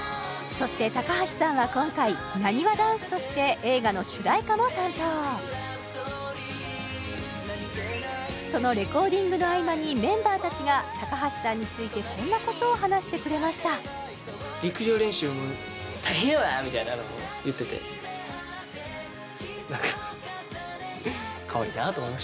そして高橋さんは今回なにわ男子として映画の主題歌も担当そのレコーディングの合間にメンバー達が高橋さんについてこんなことを話してくれましたみたいなのを言っててなんか恭平がね